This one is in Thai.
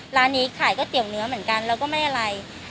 ร้านนี้ขายก๋วยเตี๋ยวเนื้อเหมือนกันแล้วก็ไม่อะไร